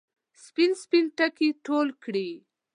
سپین، سپین ټکي ټول کړي